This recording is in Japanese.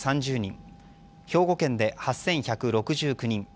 兵庫県で８１６９人